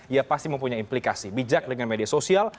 ia pasti mempunyai implikasi bijak dengan media sosial